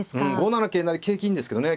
５七桂成景気いいんですけどね